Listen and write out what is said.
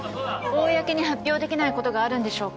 公に発表できないことがあるんでしょうか？